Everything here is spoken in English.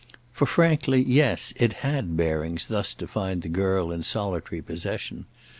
For frankly, yes, it had bearings thus to find the girl in solitary possession.